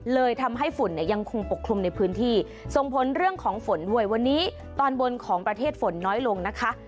เลยทำให้ฝุ่นเนี่ยยังคงปกคลุมในพื้นที่ส่งผลเรื่องของฝนด้วยวันนี้ตอนบนของประเทศฝนน้อยลงนะคะ